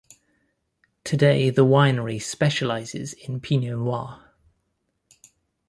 Today the winery specializes in Pinot noir.